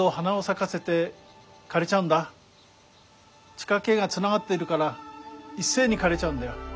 地下けいがつながっているからいっせいにかれちゃうんだよ。